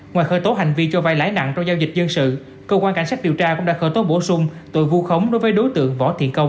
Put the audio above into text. ngoài khởi tố hành vi cho vai lãi nặng trong giao dịch dân sự cơ quan cảnh sát điều tra cũng đã khởi tố bổ sung tội vu khống đối với đối tượng võ thiện công